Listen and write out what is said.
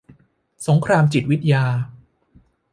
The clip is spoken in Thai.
สงครามจิตวิทยา